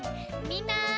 みんな！